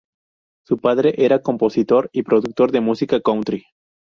Su padre era compositor y productor de música country.